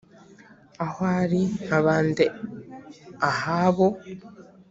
aho ali nk’abandi ahabo